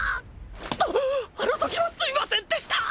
あっあのときはすいませんでした！